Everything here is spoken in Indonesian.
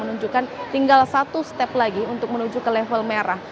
menunjukkan tinggal satu step lagi untuk menuju ke level merah